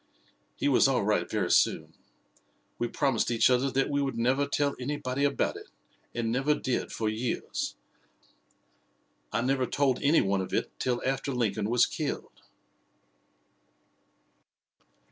"He was all right very soon. We promised each other that we would never tell anybody about it, and never did for years. I never told any one of it till after Lincoln was killed."